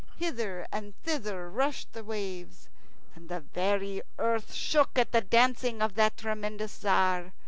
Hither and thither rushed the waves, and the very earth shook at the dancing of that tremendous Tzar.